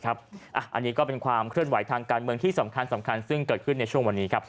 อันนี้ก็เป็นความเคลื่อนไหวทางการเมืองที่สำคัญซึ่งเกิดขึ้นในช่วงวันนี้ครับ